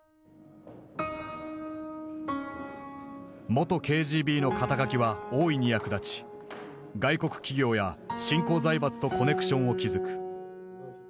元ＫＧＢの肩書は大いに役立ち外国企業や新興財閥とコネクションを築く。